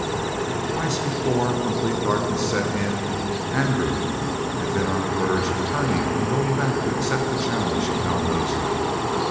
Twice, before complete darkness set in, Andrew had been on the verge of turning and going back to accept the challenge of Hal Dozier.